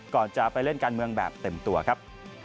ก่อนจะไปเล่นการเมืองแบบเต็มตัวครับ